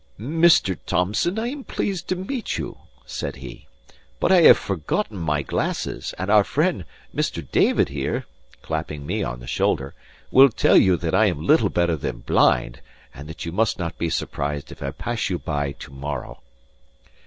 "Mr. Thomson, I am pleased to meet you," said he. "But I have forgotten my glasses; and our friend, Mr. David here" (clapping me on the shoulder), "will tell you that I am little better than blind, and that you must not be surprised if I pass you by to morrow."